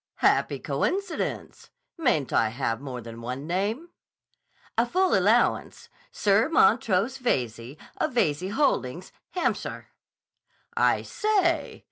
"Happy coincidence! Mayn't I have more than one name?" "A full allowance. Sir Montrose Veyze, of Veyze Holdings, Hampshire." "I say!